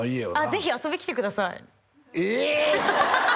ぜひ遊びに来てくださいえっ！？